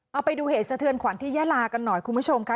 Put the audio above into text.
เอาไปดูเหตุสะเทือนขวัญที่ยาลากันหน่อยคุณผู้ชมค่ะ